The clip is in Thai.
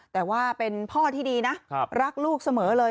แต่ว่าเป็นพ่อที่ดีนะรักลูกเสมอเลย